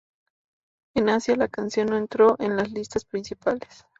En Asia la canción no entró en las listas principales.